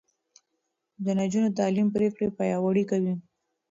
د نجونو تعليم پرېکړې پياوړې کوي.